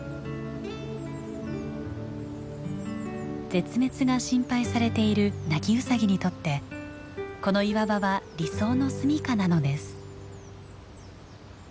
絶滅が心配されているナキウサギにとってこの岩場は理想の住みかなのです。